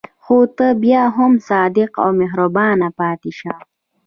خو ته بیا هم صادق او مهربان پاتې شه.